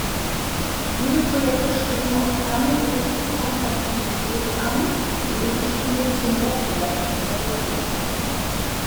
Diese Projekte streben oft keine direkte Kompatibilität an; die Unterschiede zu Matlab variieren.